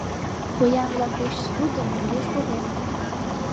— Поян-влак деч ссудым мӧҥгеш погем.